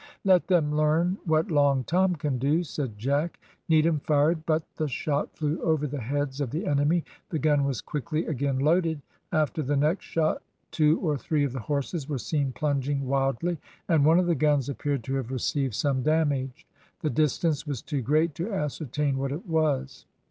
"Let them learn what Long Tom can do," said Jack. Needham fired but the shot flew over the heads of the enemy; the gun was quickly again loaded. After the next shot two or three of the horses were seen plunging wildly, and one of the guns appeared to have received some damage the distance was too great to ascertain what it was.